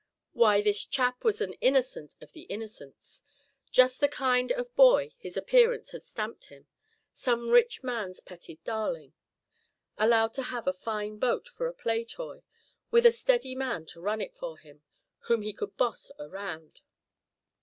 Why, this chap was an innocent of the innocents, just the kind of boy his appearance had stamped him some rich man's petted darling, allowed to have a fine boat for a play toy, with a steady man to run it for him, whom he could boss around.